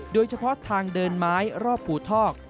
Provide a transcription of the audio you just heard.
โดยเฉพาะทางเดินไม้รอบภูทอก